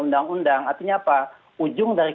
undang undang artinya apa ujung dari